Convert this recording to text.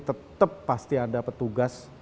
tetap pasti ada petugas